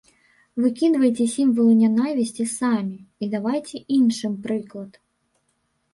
Выкідвайце сімвалы нянавісці самі і давайце іншым прыклад.